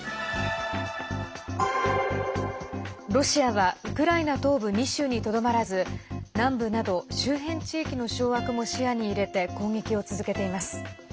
ロシアはウクライナ東部２州にとどまらず南部など、周辺地域の掌握も視野に入れて攻撃を続けています。